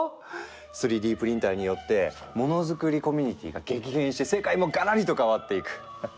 ３Ｄプリンターによってモノづくりコミュニティーが激変して世界もガラリと変わっていく。